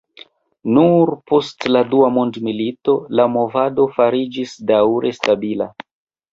Nur post la dua mondmilito la movado fariĝis daŭre stabila.